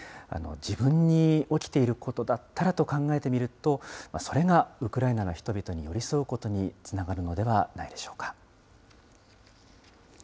自分に起きていることだったらと考えてみると、それがウクライナの人々に寄り添うことにつながるのではないでしょうか。